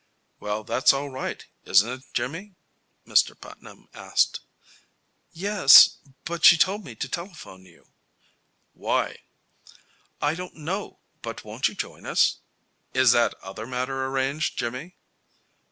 "Well, that's all right, isn't it, Jimmy?" Mr. Putnam asked. "Yes. But she told me to telephone you." "Why?" "I don't know. But won't you join us?" "Is that other matter arranged, Jimmy?"